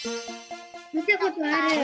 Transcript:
みたことある。